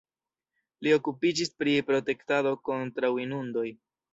Li okupiĝis pri protektado kontraŭ inundoj.